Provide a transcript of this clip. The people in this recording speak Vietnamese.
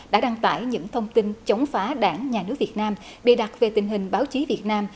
đã đăng tải những thông tin chống phá đảng nhà nước việt nam bịa đặt về tình hình báo chí việt nam